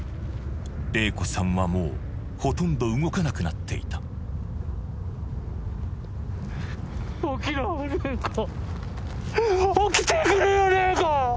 玲子さんはもうほとんど動かなくなっていた起きろ玲子起きてくれよ玲子！